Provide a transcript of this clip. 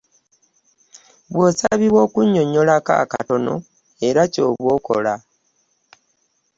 Bw’osabibwa okunnyonnyolako akatono era ky’oba okola.